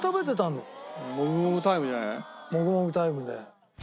もぐもぐタイムで。